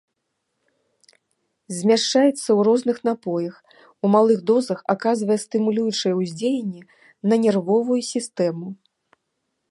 Змяшчаецца ў розных напоях, у малых дозах аказвае стымулюючае ўздзеянне на нервовую сістэму.